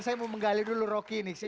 saya mau menggali dulu rocky ini